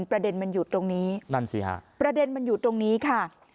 ประเด็นมันอยู่ตรงนี้นั่นสิฮะประเด็นมันอยู่ตรงนี้ค่ะ